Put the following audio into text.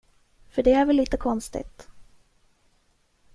För det är väl lite konstigt?